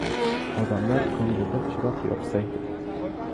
Odamlar ko‘nglida chiroq yoqsaydi.